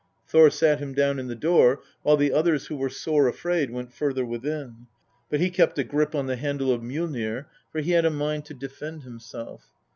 Thor sat him down in the door, while the others, who were sore afraid, went further within. But he kept a grip on the handle of Mjollnir, for he had a mind to defend himself."